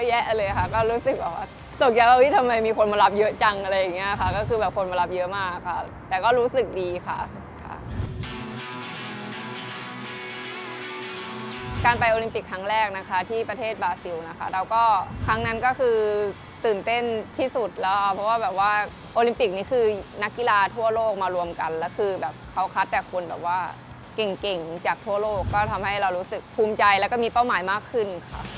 เยอะแยะเลยค่ะก็รู้สึกแบบว่าตกใจว่าที่ทำไมมีคนมารับเยอะจังอะไรอย่างนี้ค่ะก็คือแบบคนมารับเยอะมากค่ะแต่ก็รู้สึกดีค่ะค่ะการไปโอลิมปิกครั้งแรกนะคะที่ประเทศบาซิลนะคะเราก็ครั้งนั้นก็คือตื่นเต้นที่สุดแล้วค่ะเพราะว่าแบบว่าโอลิมปิกนี่คือนักกีฬาทั่วโลกมารวมกันแล้วคือแบบเขาคัดแต่คน